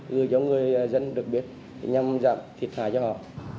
gửi cho người dân được biết nhằm giảm thiệt hại cho họ